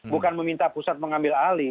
bukan meminta pusat mengambil alih